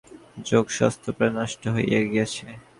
ইহারই জন্য অন্যতম শ্রেষ্ঠ বিজ্ঞান যোগশাস্ত্র প্রায় নষ্ট হইয়া গিয়াছে।